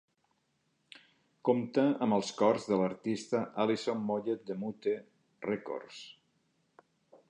Compta amb els cors de l'artista Alison Moyet de Mute Records.